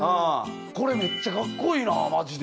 これめっちゃカッコいいなマジで。